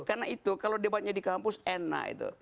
karena itu kalau debatnya di kampus enak itu